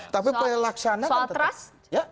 tapi pelaksanaan soal trust ya